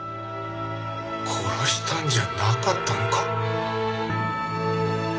殺したんじゃなかったのか。